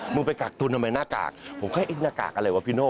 มึงไปกักตุนทำไมหน้ากากผมแค่เอ๊ะหน้ากากอะไรวะพี่โน่